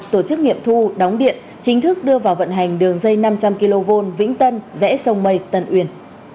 tổ chức nghiệm thu đóng điện chính thức đưa vào vận hành đường dây năm trăm linh kv vĩnh tân rẽ sông mây tân uyên